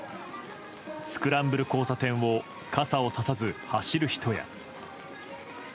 スクランブル交差点を傘をささず走る人や。